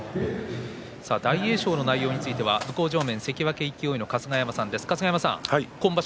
大栄翔の内容については向正面の関脇勢の春日山さんです。